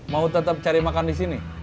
mau tetap cari makan disini